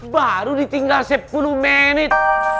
baru ditinggal sepuluh menit